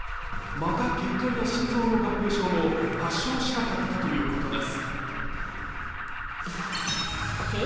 また血管や心臓の合併症も発症しなかったということです。